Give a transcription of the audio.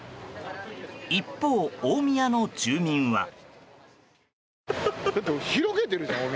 一方、大宮の住民は。